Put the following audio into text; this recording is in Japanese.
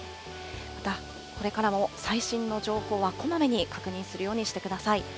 またこれからも最新の情報はこまめに確認するようにしてください。